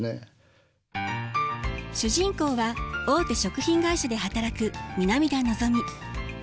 主人公は大手食品会社で働く南田のぞみ。